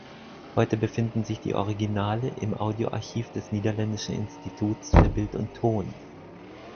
Heute befinden sich die Originale im Audio-Archiv des niederländischen Instituts für Bild und Ton.